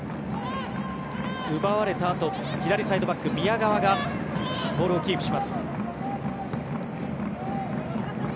奪われたあと左サイドバック、宮川がボールをキープします。